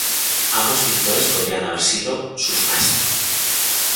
Ambos pintores podrían haber sido sus maestros.